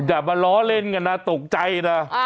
อย่ามาล้อเล่นกันนะตกใจนะ